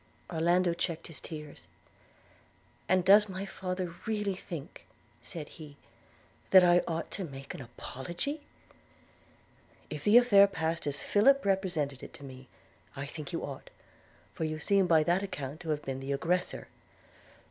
Orlando checked his tears: 'And does my father really think,' said he, 'that I ought to make an apology?' 'If the affair passed as Philip represented it to me, I think you ought; for you seem by that account to have been the aggressor.'